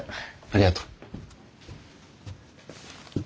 ありがとう。